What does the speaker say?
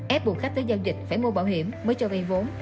ép buộc khách tới giao dịch phải mua bảo hiểm mới cho vay vốn